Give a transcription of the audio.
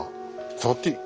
触っていい？